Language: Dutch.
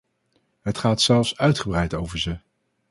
Het gaat zelfs uitgebreid over ze.